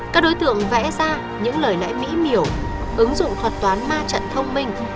các đối tượng vẽ ra những lời lẽ mỹ miểu ứng dụng thuật toán ma trận thông minh